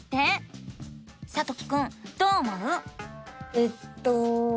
えっと。